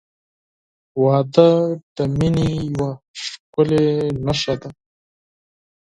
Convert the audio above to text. • واده د محبت یوه ښکلی نښه ده.